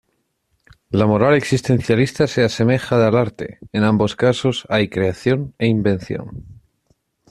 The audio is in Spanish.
La moral existencialista se asemeja al arte, en ambos casos hay creación e invención.